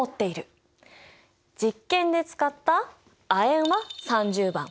実験で使った亜鉛は３０番。